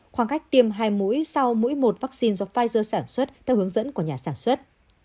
khoảng cách tiêm hai mũi sau mũi một vaccine do pfizer sản xuất theo hướng dẫn của nhà sản xuất